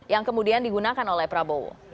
yang kemudian digunakan oleh prabowo